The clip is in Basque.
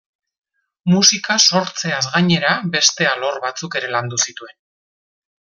Musika sortzeaz gainera, beste alor batzuk ere landu zituen.